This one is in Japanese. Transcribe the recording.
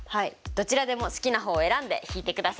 どちらでも好きな方を選んで引いてください！